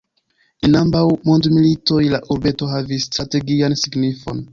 En ambaŭ mondmilitoj la urbeto havis strategian signifon.